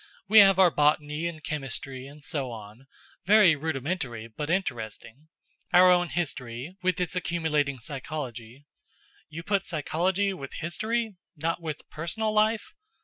We have our botany and chemistry, and so on very rudimentary, but interesting; our own history, with its accumulating psychology." "You put psychology with history not with personal life?"